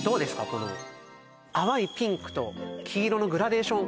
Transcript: この淡いピンクと黄色のグラデーション